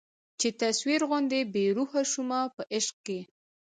چي تصویر غوندي بې روح سومه په عشق کي